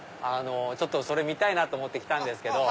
それ見たいなと思って来たんですけど。